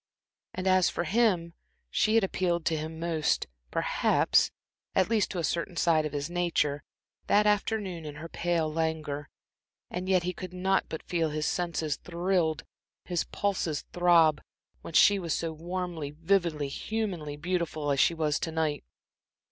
And as for him, she had appealed to him most, perhaps, at least to a certain side of his nature, that afternoon in her pale languor; and yet he could not but feel his senses thrilled, his pulses throb, when she was so warmly, vividly, humanly beautiful as she was to night.